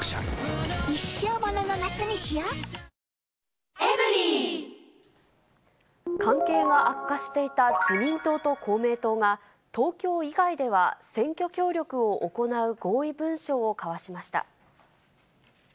新「ＥＬＩＸＩＲ」関係が悪化していた自民党と公明党が、東京以外では選挙協力を行う合意文書を交わしました。